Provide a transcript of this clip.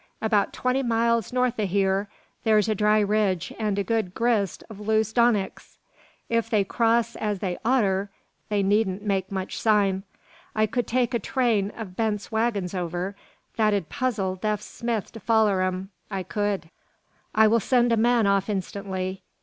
"About twenty mile north o' hyur thur's a dry ridge, an' a good grist o' loose donicks. If they cross as they oughter, they needn't make much sign. I kud take a train o' Bent's waggons over, that 'ud puzzle deaf Smith to foller 'em. I kud." "I will send a man off instantly.